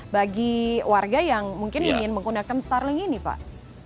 bagi warga yang mungkin ingin menggunakan starling ini pak